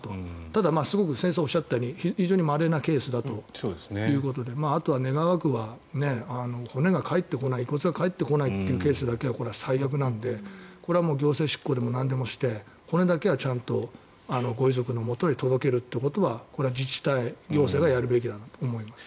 ただ、すごく先生がおっしゃったように非常にまれなケースだということであとは願わくば骨が返ってこない遺骨が返ってこないというケースだけはこれは最悪なのでこれは行政執行でもなんでもして骨だけはちゃんとご遺族のもとへ届けることはこれは自治体、行政がやるべきだなと思います。